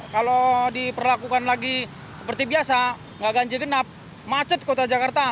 kalau diperlakukan lagi seperti biasa nggak ganjil genap macet kota jakarta